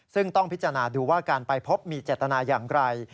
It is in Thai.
ซึ่งต้องพิจารณาดูว่าการไปพบมีเจตนาอย่างไร